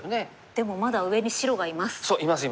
でもまだ上に白がいます！